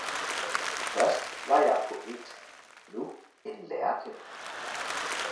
Først var jeg poet, nu en lærke